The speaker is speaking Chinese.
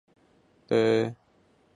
隆格雷。